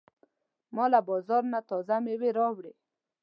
ما له بازار نه تازه مېوې راوړې.